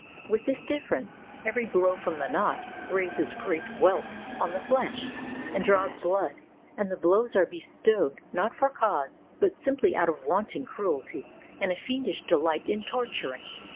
With this difference — every blow from the knout raises great welts on the flesh, and draws blood, and the blows are bestowed, not for cause, but simply out of wanton cruelty and a fiendish delight in torturing.